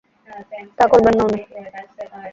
তা করবে না উনি।